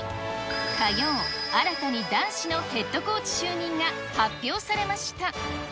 火曜、新たに男子のヘッドコーチ就任が発表されました。